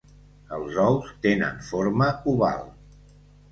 Els ous tenen forma oval.